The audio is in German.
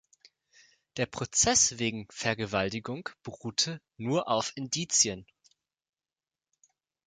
Der Prozess wegen Vergewaltigung beruhte nur auf Indizien.